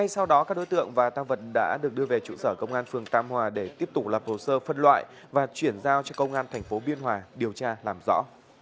sau đó các đối tượng và tăng vật đã được đưa về trụ sở công an phường tam hòa để tiếp tục lập hồ sơ phân loại và chuyển giao cho công an tp biên hòa điều tra làm rõ